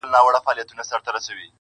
یو ناڅاپه یو ماشوم راغی له پاسه -